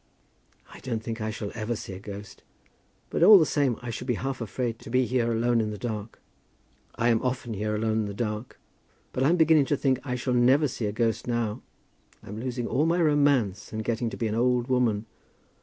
"I don't think I shall ever see a ghost; but all the same I should be half afraid to be here alone in the dark." "I am often here alone in the dark, but I am beginning to think I shall never see a ghost now. I am losing all my romance, and getting to be an old woman.